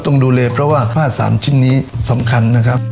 ต้องดูแลเพราะว่าผ้าสารชิ้นนี้สำคัญนะครับ